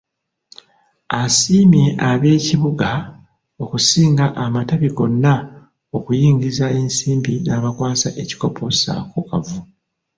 Asiimye ab'eKibuga okusinga amatabi gonna okuyingiza ensimbi n'abakwasa ekikopo ssaako kavu.